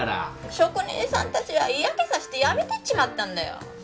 職人さん達は嫌気さして辞めてっちまったんだよ